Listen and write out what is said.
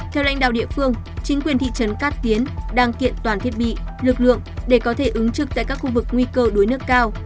theo lãnh đạo địa phương chính quyền thị trấn cát kiến đang kiện toàn thiết bị lực lượng để có thể ứng trực tại các khu vực nguy cơ đuối nước cao